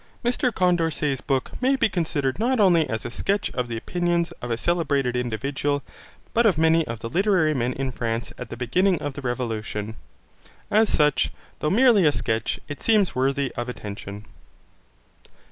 Mr Condorcet's book may be considered not only as a sketch of the opinions of a celebrated individual, but of many of the literary men in France at the beginning of the Revolution. As such, though merely a sketch, it seems worthy of attention.